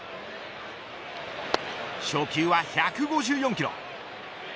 初球は１５４キロ。